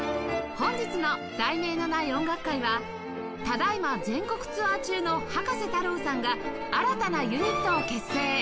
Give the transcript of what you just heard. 本日の『題名のない音楽会』はただ今全国ツアー中の葉加瀬太郎さんが新たなユニットを結成！